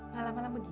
masuk dalam buto